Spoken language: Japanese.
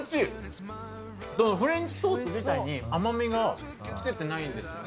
フレンチトースト自体に甘みが付けてないんですね。